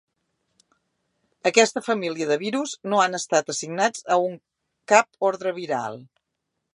Aquesta família de virus no han estat assignats a un cap ordre viral.